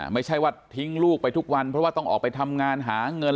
ไม่ใช่ว่าทิ้งลูกไปทุกวันเพราะว่าต้องออกไปทำงานหาเงิน